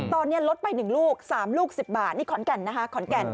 ตอนนี้ลดไป๑ลูก๓ลูก๑๐บาทนี่ขอนแก่นนะคะขอนแก่น